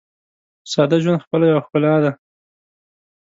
ساده ژوند خپله یوه ښکلا ده.